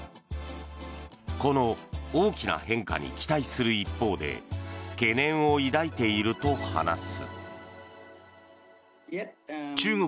この大きな変化に期待する一方で懸念を抱いていると話す。